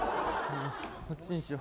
こっちにしよう。